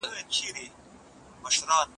دا خبره د ملا په زړه کې پاتې شوه.